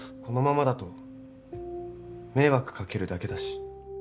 このままだと迷惑かけるだけだし。